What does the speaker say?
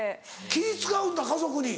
気使うんだ家族に。